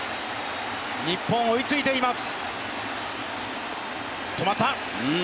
日本、追いついています。